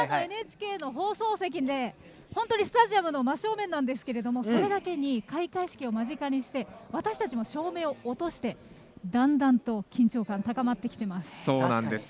ＮＨＫの放送席でスタジアムの真正面なんですけどそれだけに開会式を間近にして私たちも照明を落としてだんだんと緊張感高まってきています。